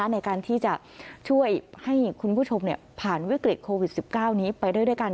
ในการที่จะช่วยให้คุณผู้ชมผ่านวิกฤตโควิด๑๙นี้ไปด้วยกัน